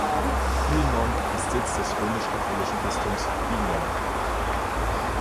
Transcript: Quy Nhơn ist Sitz des römisch-katholischen Bistums Qui Nhơn.